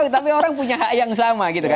tapi orang punya hak yang sama